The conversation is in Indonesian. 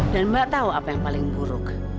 mbak tahu apa yang paling buruk